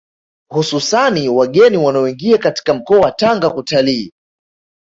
Hususani wageni wanaoingia katika mkoa wa Tanga kutalii